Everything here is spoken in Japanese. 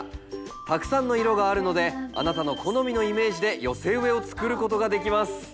たくさんの色があるのであなたの好みのイメージで寄せ植えを作ることができます。